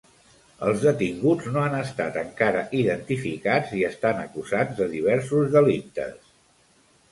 Els detinguts no han estat encara identificats i estan acusats de diversos delictes.